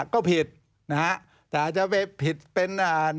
ก็ผิดแต่อาจจะไปผิดเป็น๑๕๗